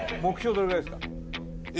どれぐらいですか？